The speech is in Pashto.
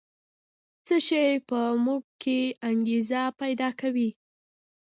څه شی په موږ کې انګېزه پیدا کوي؟